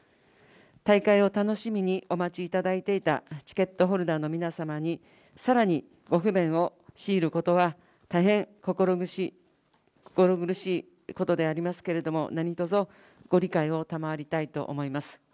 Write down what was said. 大会を楽しみにお待ちいただいていたチケットホルダーの皆様にさらにご不便を強いることは、大変心苦しいことでありますけれども、何とぞご理解を賜りたいと思います。